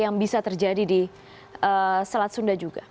yang bisa terjadi di selat sunda juga